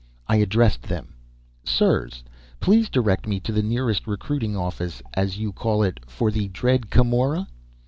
I addressed them: "Sirs, please direct me to the nearest recruiting office, as you call it, for the dread Camorra."